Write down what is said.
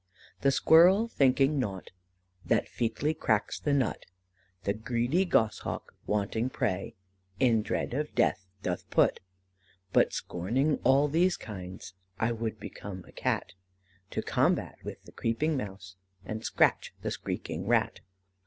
"The Squirrill thinking nought, That feately cracks the Nut; The greedie Goshawke wanting pray, In dread of Death doth put; But scorning all these kindes, I would become a Cat, To combat with the creeping Mouse, And scratch the screeking Rat.